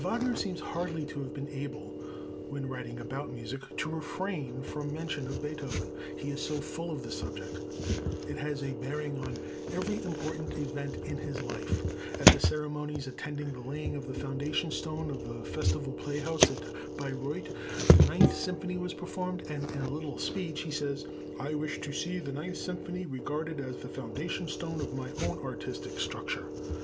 Wagner seems hardly to have been able, when writing about music, to refrain from mention of Beethoven, he is so full of the subject. It has a bearing on every important event in his life. At the ceremonies attending the laying of the foundation stone of the Festival Play House at Bayreuth, the Ninth Symphony was performed, and in a little speech he says: "I wish to see the Ninth Symphony regarded as the foundation stone of my own artistic structure."